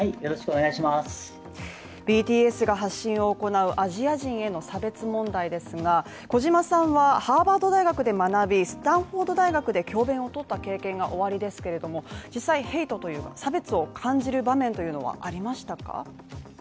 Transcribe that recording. ＢＴＳが発信を行うアジア人への差別問題ですが小島さんは、ハーバード大学で学びスタンフォード大学で教べんをとった経験がおありですけれども実際ヘイト、差別を感じる場面はありましたか？